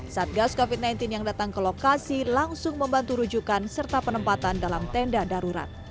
satgas covid sembilan belas yang datang ke lokasi langsung membantu rujukan serta penempatan dalam tenda darurat